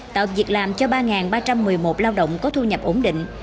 tạo việc làm cho ba ba trăm một mươi một lao động có thu nhập ổn định